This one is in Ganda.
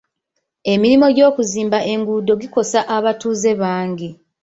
Emirimu gy'okuzimba enguudo gikosa abatuuze bangi.